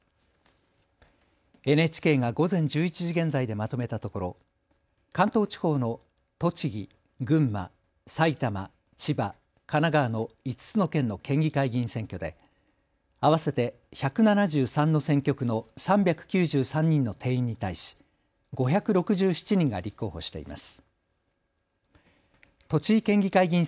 ＮＨＫが午前１１時現在でまとめたところ関東地方の栃木、群馬、埼玉、千葉、神奈川の５つの県の県議会議員選挙で合わせて１７３の選挙区の３９３人の定員に対し５６７人が立候補しています。